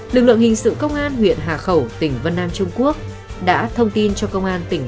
hai nghìn một mươi ba lực lượng hình sự công an huyện hà khẩu tỉnh văn an trung quốc đã thông tin cho công an tỉnh